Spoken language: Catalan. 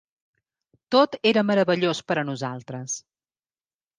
Tot era meravellós per a nosaltres.